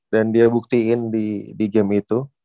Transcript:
dan dia buktiin di game itu